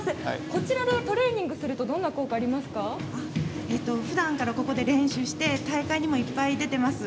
こちらでトレーニングをするとふだんからここで練習して大会にもいっぱい出ています。